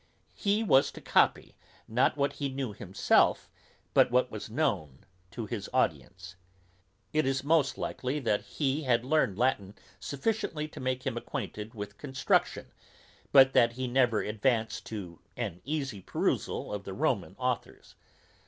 He was to copy, not what he knew himself, but what was known to his audience. It is most likely that he had learned Latin sufficiently to make him acquainted with construction, but that he never advanced to an easy perusal of the Roman authours.